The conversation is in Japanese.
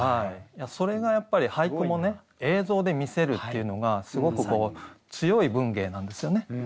それがやっぱり俳句も映像で見せるっていうのがすごく強い文芸なんですよね。